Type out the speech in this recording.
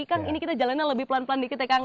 kan ini kita jalannya lebih pelan pelan dikit ya kang